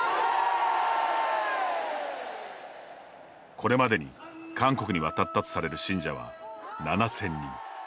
これまでに韓国に渡ったとされる信者は７０００人。